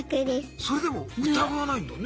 それでも疑わないんだね。